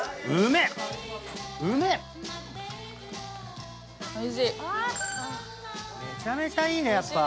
めちゃめちゃいいねやっぱ。